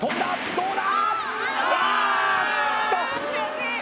どうだ？